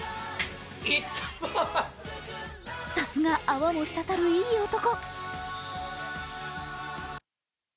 さすが泡もしたたるいい男。